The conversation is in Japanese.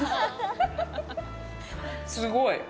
すごい。